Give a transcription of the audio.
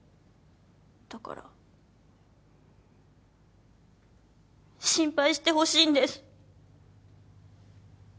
だから心配してほしいんです。